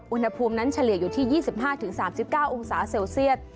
อุณหภูมินั้นเฉลี่ยอยู่ที่ยี่สิบห้าถึงสามสิบเก้าองศาเซลเซียส